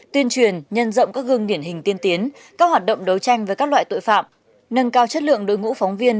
tuyên truyền nhân rộng các gương điển hình tiên tiến các hoạt động đấu tranh với các loại tội phạm nâng cao chất lượng đội ngũ phóng viên